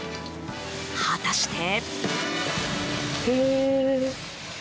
果たして。